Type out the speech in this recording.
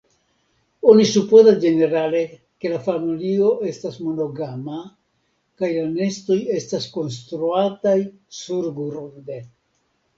Oni supozas ĝenerale, ke la familio estas monogama, kaj la nestoj estas konstruataj surgrunde.